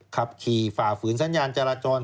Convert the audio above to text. ขับขี่ฝ่าฝืนสัญญาณจราจร